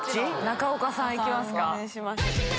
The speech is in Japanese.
中岡さん行きますか。